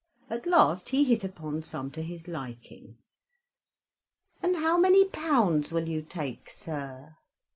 At last he hit upon some to his liking. "And how many pounds will you take, sir?"